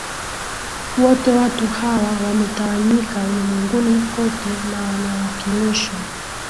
wote watu hawa wametawanyika ulimwenguni kote na wanawakilisha